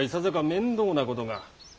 面倒なこと？